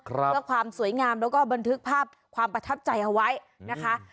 เพื่อความสวยงามแล้วก็บันทึกภาพความประทับใจเอาไว้นะคะ